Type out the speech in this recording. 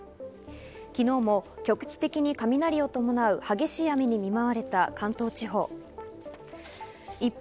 昨日も局地的に雷を伴う激しい雨に見舞われた関東地方。